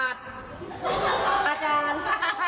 อาจารย์